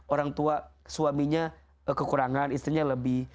orang tua suaminya kekurangan istrinya lebih